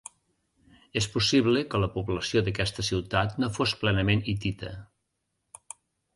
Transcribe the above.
És possible que la població d'aquesta ciutat no fos plenament hitita.